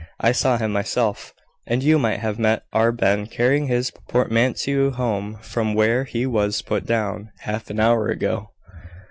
I saw him myself; and you might have met our Ben carrying his portmanteau home, from where he was put down, half an hour ago.